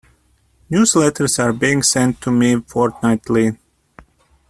Newsletters are being sent to me fortnightly.